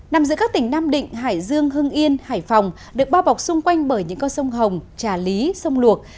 nằm giữa các tỉnh nam định hải dương hưng yên hải phòng được bao bọc xung quanh bởi những con sông hồng trà lý sông luộc